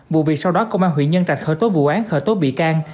vụ việc sau đó công an huyện nhân trạch khởi tố vụ án khởi tố bị can